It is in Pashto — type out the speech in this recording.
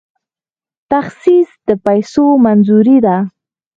تخصیص د پیسو منظوري ده